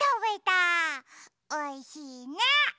おいしいね。